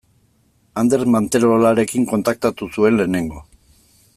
Ander Manterolarekin kontaktatu zuen lehenengo.